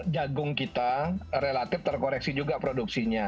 jagung kita relatif terkoreksi juga produksinya